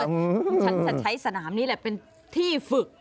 ฉันจะใช้สนามนี้แหละเป็นที่ฝึก